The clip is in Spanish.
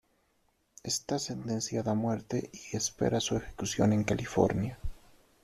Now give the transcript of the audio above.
Está sentenciada a muerte y espera su ejecución en California.